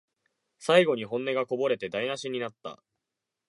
最後に本音がこぼれて台なしになった